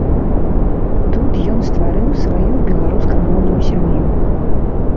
Тут ён стварыў сваю беларускамоўную сям'ю.